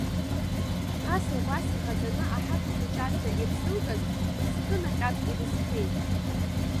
Ԥаса убас иҟаҵаны аҳаҭа хәыҷы азна ирзылгаз, мызкы наҟьак ирызхеит.